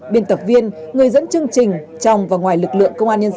biên tập viên người dẫn chương trình trong và ngoài lực